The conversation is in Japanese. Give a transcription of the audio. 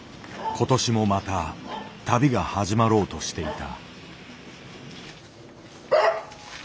今年もまた旅が始まろうとしていた。